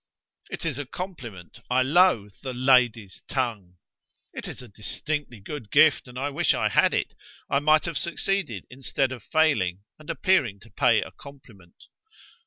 "It is a compliment. I loathe the 'lady's tongue'." "It's a distinctly good gift, and I wish I had it. I might have succeeded instead of failing, and appearing to pay a compliment."